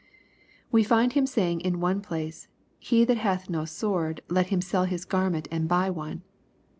We find Him saying in one place, " He that hath no sword let him sell his garment and buy one."